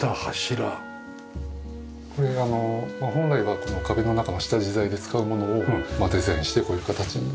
これあの本来は壁の中の下地材で使うものをデザインしてこういう形に。